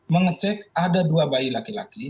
mengecek ada dua bayi laki laki